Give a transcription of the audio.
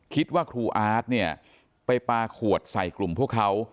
คิดว่าครูอาร์ตเนี่ยไปปลาขวดใส่กลุ่มพวกเขา